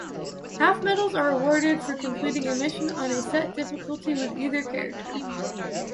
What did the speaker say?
Half-medals are awarded for completing a mission on a set difficulty with either character.